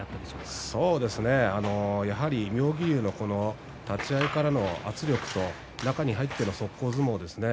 やはり妙義龍の立ち合いからの圧力中に入っての速攻相撲ですね。